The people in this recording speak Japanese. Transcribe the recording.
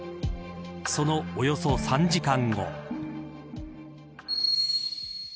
そのおよそ３時間後。